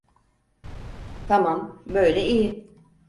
Tamam, böyle iyi.